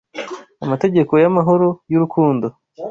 Amategeko y'amahoro, y'urukundo